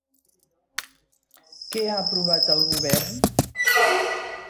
Què ha aprovat el govern?